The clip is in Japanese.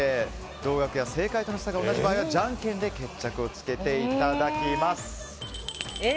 同額や正解との差が同じ場合はじゃんけんで決着をつけていただきます。